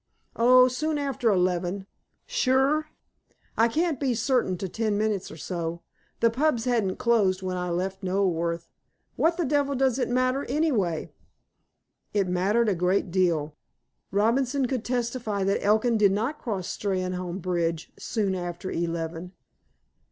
"Oh, soon after eleven." "Sure." "I can't be certain to ten minutes or so. The pubs hadn't closed when I left Knoleworth. What the devil does it matter, anyhow?" It mattered a great deal. Robinson could testify that Elkin did not cross Steynholme bridge "soon after eleven."